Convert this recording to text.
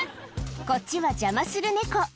こっちは邪魔するネコ